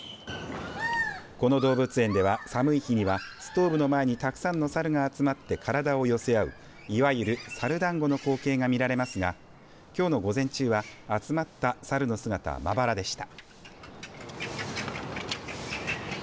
この動物園では、寒い日にはストーブの前にたくさんのサルが集まって体を寄せ合ういわゆるサルだんごの光景が見られますがきょうの午前中は集まったサルの姿はまばらでした。